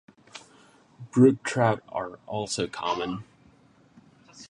Brook trout are also common.